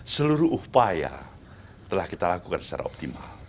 seluruh upaya telah kita lakukan secara optimal